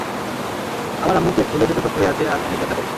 আমার আম্মুর পেট ফুলে ফেপে শক্ত হয়ে আছে আর অনেক ব্যথা করছে।